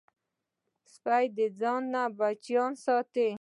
سپي د ځان نه بچیان ساتي.